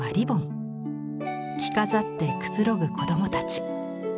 着飾ってくつろぐ子供たち。